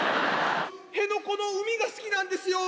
辺野古の海が好きなんですよぅ。